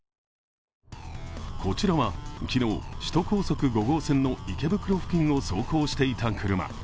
こちらは、昨日、首都高速５号線の池袋付近を走行していた車。